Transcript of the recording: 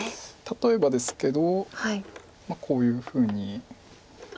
例えばですけどこういうふうに。